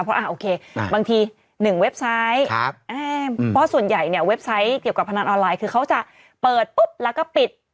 เพราะโอเคบางที๑เว็บไซต์เพราะส่วนใหญ่เนี่ยเว็บไซต์เกี่ยวกับพนันออนไลน์คือเขาจะเปิดปุ๊บแล้วก็ปิด